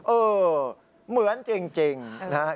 เออเหมือนจริงนะฮะ